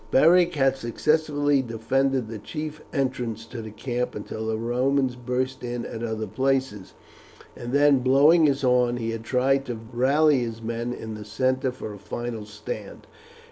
Beric had successfully defended the chief entrance to the camp until the Romans burst in at other places, and then, blowing his horn, he had tried to rally his men in the centre for a final stand.